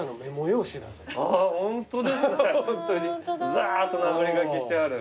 ざーっと殴り書きしてある。